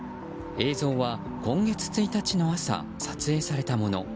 映像は今月１日の朝撮影されたもの。